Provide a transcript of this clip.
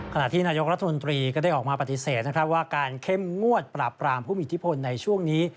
ขณะที่นายกรัฐมนตรีก็ได้ออกมาปฏิเสธนะครับว่าการเข้มงวดปราบปรามผู้มีอิทธิพลในช่วงนี้